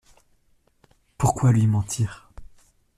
Pourquoi lui mentir?